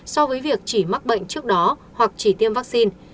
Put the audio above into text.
so với việc chỉ mắc bệnh trước đó hoặc chỉ tiêm vaccine